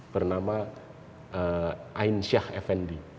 bernama ainsyah effendi